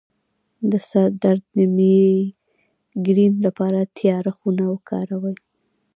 د سر درد د میګرین لپاره تیاره خونه وکاروئ